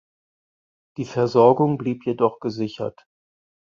Die Versorgung blieb jedoch gesichert.